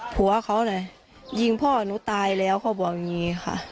ผัวเขาเลยยิงพ่อหนูตายแล้วเขาบอกอย่างนี้ค่ะ